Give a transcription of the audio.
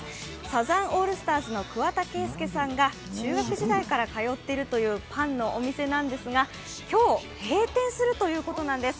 サザンオールスターズの桑田佳祐さんが中学時代から通っているというパンのお店なんですが、今日閉店するということなんです。